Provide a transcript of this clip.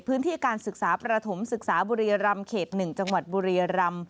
พื้นที่การศึกษาประถมศึกษาบุรีรำเขต๑จังหวัดบุรียรำ